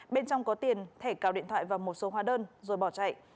bên trong có tiền thẻ cào điện thoại và một số hóa đơn rồi bỏ chạy